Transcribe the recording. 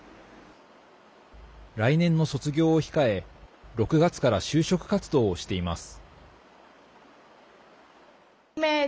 来年の卒業を控え６月から就職活動をしています。